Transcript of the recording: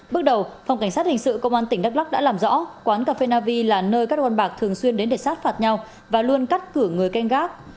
bước đầu phòng cảnh sát hình sự công an tỉnh đắk lắc đã làm rõ quán cà phê navi là nơi các con bạc thường xuyên đến để sát phạt nhau và luôn cắt cử người canh gác